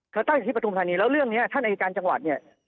ก็ตั้งอยู่ที่ประธุมธรรมนี้แล้วเรื่องนี้ท่านอาจารย์การจังหวัด